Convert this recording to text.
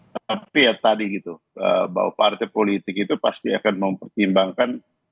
tapi ya tadi gitu bahwa partai politik itu pasti akan mempertimbangkan